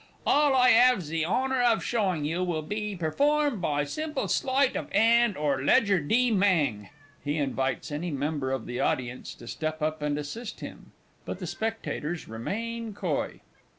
All I shall 'ave ze honour of showing you will be perform by simple Sloight of 'and or Ledger dee Mang! (_He invites any member of the Audience to step up and assist him, but the spectators remain coy.